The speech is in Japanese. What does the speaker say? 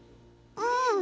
うん。